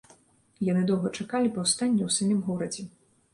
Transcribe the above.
Яны доўга чакалі паўстання ў самім горадзе.